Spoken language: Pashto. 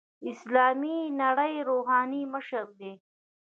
د اسلامي نړۍ روحاني مشر دی.